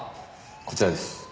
こちらです。